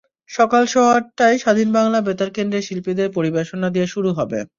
সকাল সোয়া আটটায় স্বাধীন বাংলা বেতার কেন্দ্রের শিল্পীদের পরিবেশনা দিয়ে শুরু হবে।